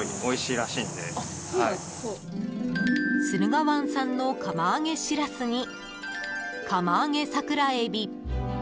駿河湾産の釜揚げシラスに釜揚げ桜エビ。